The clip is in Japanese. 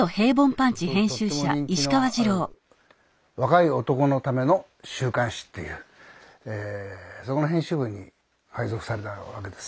当時とっても人気のある若い男のための週刊誌っていうそこの編集部に配属されたわけです。